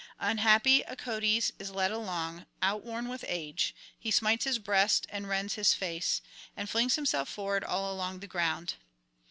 Unhappy Acoetes is led along, outworn with age, he smites his breast and rends his face, and flings himself forward all along the ground.